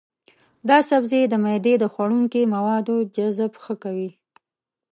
دا سبزی د معدې د خوړنکي موادو جذب ښه کوي.